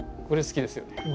これ好きですよね？